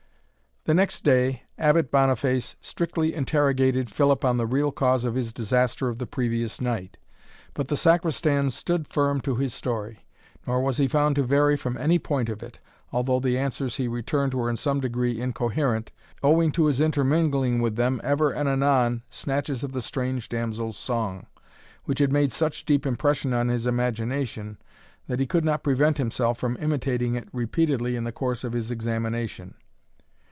The next day, Abbot Boniface strictly interrogated Philip on the real cause of his disaster of the previous night. But the Sacristan stood firm to his story; nor was he found to vary from any point of it, although the answers he returned were in some degree incoherent, owing to his intermingling with them ever and anon snatches of the strange damsel's song, which had made such deep impression on his imagination, that he could not prevent himself from imitating it repeatedly in the course of his examination.